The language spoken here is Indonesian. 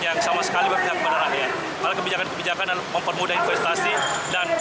yang sama sekali berpihak kepada rakyat kalau kebijakan kebijakan dan mempermudah investasi dan